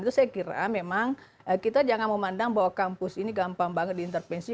itu saya kira memang kita jangan memandang bahwa kampus ini gampang banget diintervensi